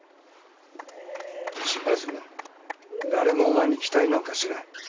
心配するな誰もお前に期待なんかしてない。